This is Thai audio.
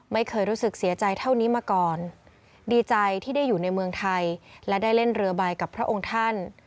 ไม่เคยรู้สึกเสียใจเท่านี้มาก่อนดีใจที่ได้อยู่ในเมืองไทยและได้เล่นเรือใบกับพระองค์ท่าน